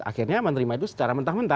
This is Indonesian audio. akhirnya menerima itu secara mentah mentah